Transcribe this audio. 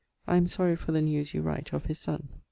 I am sorry for the news you write of his son.